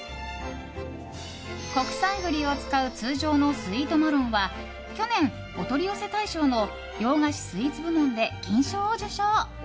国産栗を使う通常のスイートマロンは去年、お取り寄せ大賞の洋菓子・スイーツ部門で銀賞を受賞。